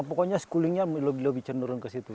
pokoknya sekulingnya lebih lebih cenderung ke situ